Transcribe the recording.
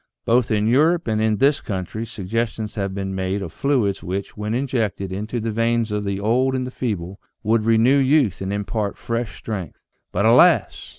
Both in Europe and in this country suggestions have been made of fluids which, when injected into the veins of the old and the feeble, would renew youth and impart fresh strength. But alas